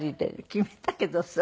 決めたけどさ。